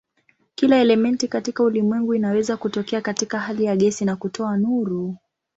Kila elementi katika ulimwengu inaweza kutokea katika hali ya gesi na kutoa nuru.